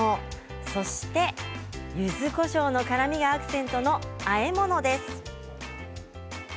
そして、ゆずこしょうの辛みがアクセントのあえ物です。